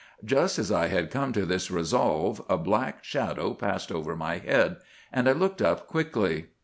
"'Just as I had come to this resolve, a black shadow passed over my head, and I looked up quickly.